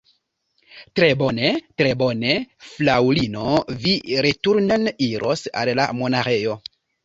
Tre bone, tre bone, Fraŭlino, vi returnen iros al la monaĥejo